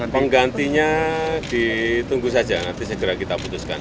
penggantinya ditunggu saja nanti segera kita putuskan